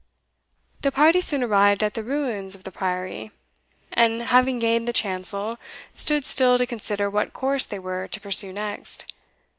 The party soon arrived at the ruins of the priory, and, having gained the chancel, stood still to consider what course they were to pursue next.